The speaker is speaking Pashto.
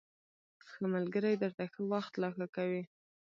ښه ملگري درته ښه وخت لا ښه کوي